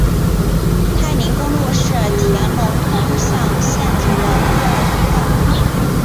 太临公路是回龙通向县城的第二通道。